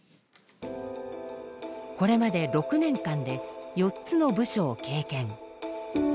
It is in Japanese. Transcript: これまで６年間で４つの部署を経験。